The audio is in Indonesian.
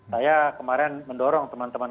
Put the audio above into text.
saya kemarin mendorong teman teman